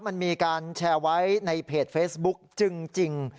มันมีการแชร์ไว้ในเพจเฟซบุ๊คจริง